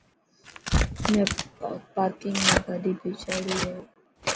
مين پارڪنگ ۾ کاڌي ڀيچاڙي هي.